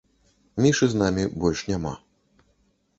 Мішы з намі больш няма.